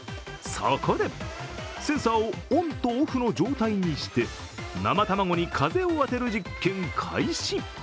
そこで、センサーをオンとオフの状態にして生卵に風を当てる実験開始。